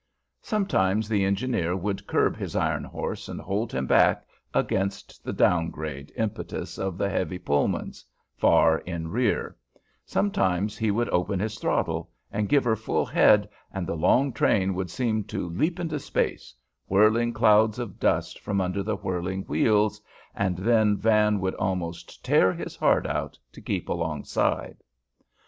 Sometimes the engineer would curb his iron horse and hold him back against the "down grade" impetus of the heavy Pullmans far in rear; sometimes he would open his throttle and give her full head, and the long train would seem to leap into space, whirling clouds of dust from under the whirling wheels, and then Van would almost tear his heart out to keep alongside.